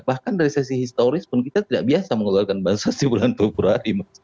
bahkan dari sesi historis pun kita tidak biasa mengeluarkan bansas di bulan februari